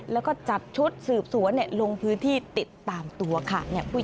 แล้วก็จัดชุดสืบสวนลงพื้นที่ติดตามตัวค่ะ